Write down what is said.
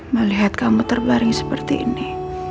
melihat kamu terbaring seperti ini